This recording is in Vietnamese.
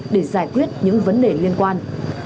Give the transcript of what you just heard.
để giải quyết những vấn đề liên quan